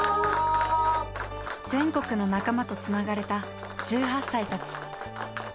全国の仲間とつながれた１８歳たち。